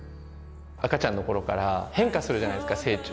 赤ちゃんの頃から変化するじゃないですか成長。